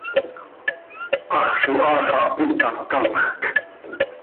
¡Hax zo haa xah piih ta, camjc!